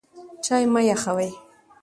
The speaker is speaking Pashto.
چای مه یخوئ.